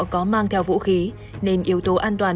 có mang theo vũ khí nên yếu tố an toàn